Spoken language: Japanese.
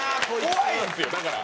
怖いんですよだから。